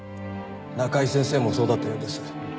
中井先生もそうだったようです。